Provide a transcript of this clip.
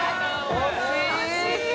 惜しい！